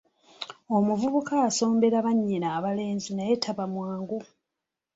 Omuvubuka asombera bannyina abalenzi naye taba mwangu.